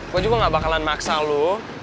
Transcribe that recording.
gue juga gak bakalan maksa loh